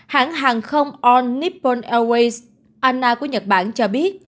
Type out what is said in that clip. hãng hàng không all nippon airways ana của nhật bản cho biết